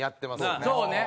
そうね。